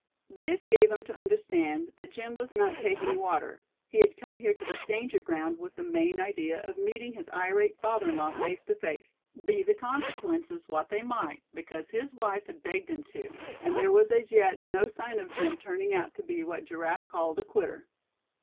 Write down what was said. This gave him to understand that Jim was not "taking water;" he had come here to this danger ground with the main idea of meeting his irate father in law face to face, be the consequences what they might, because his wife had begged him to; and there was as yet no sign of Jim turning out to be what Giraffe called a "quitter."